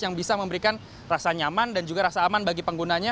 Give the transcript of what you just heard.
yang bisa memberikan rasa nyaman dan juga rasa aman bagi penggunanya